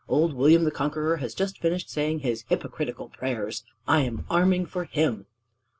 Old William the Conqueror has just finished saying his hypocritical prayers. I am arming for him!"